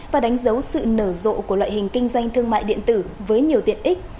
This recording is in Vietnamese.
và đánh dấu sự nở rộ của loại hình kinh doanh thương mại điện tử với nhiều tiện ích